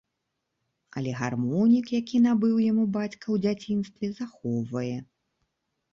Але гармонік, які набыў яму бацька ў дзяцінстве, захоўвае.